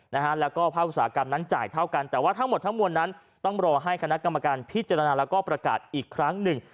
นะฮะแล้วก็ภาคอุตสาหกรรมนั้นจ่ายเท่ากันแต่ว่าทั้งหมดทั้งมวลนั้นต้องรอให้คณะกรรมการพิจารณาแล้วก็ประกาศอีกครั้งหนึ่ง